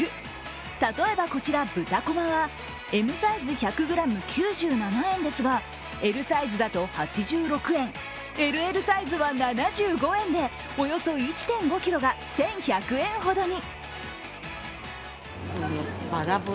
例えばこちら豚こまはＭサイズ１００ｇ９７円ですが、Ｌサイズだと８６円、ＬＬサイズは７５円でおよそ１．５ｋｇが１１００円ほどに。